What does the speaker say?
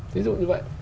thí dụ như vậy